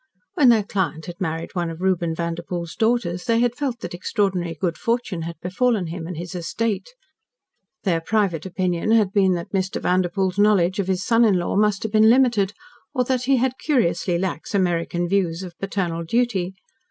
When their client had married one of Reuben Vanderpoel's daughters, they had felt that extraordinary good fortune had befallen him and his estate. Their private opinion had been that Mr. Vanderpoel's knowledge of his son in law must have been limited, or that he had curiously lax American views of paternal duty.